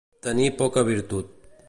Tenir poca virtut.